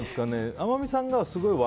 天海さんがすごく笑